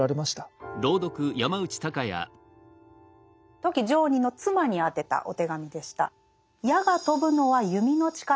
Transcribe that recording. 富木常忍の妻に宛てたお手紙でした。